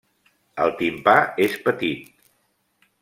El timpà és petit.